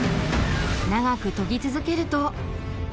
長く研ぎ続けると。